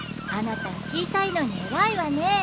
あなた小さいのに偉いわね。